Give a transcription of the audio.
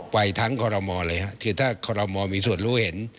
ไปทั้งคอรมอลเลยฮะคือถ้าคอรมอลมีส่วนรู้เห็น